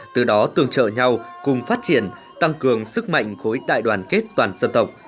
từ đó tương trợ nhau cùng phát triển tăng cường sức mạnh khối đại đoàn kết toàn dân tộc